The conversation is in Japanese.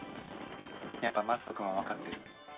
やっぱ雅人君は分かってる。